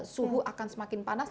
suhu akan semakin panas